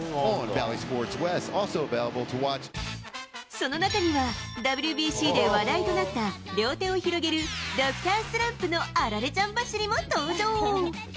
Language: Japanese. その中には、ＷＢＣで話題となった、両手を広げる、ドクタースランプのアラレちゃん走りも登場。